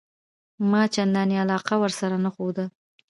ما چنداني علاقه ورسره نه درلوده.